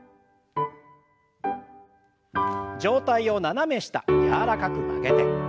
上体を斜め下柔らかく曲げて。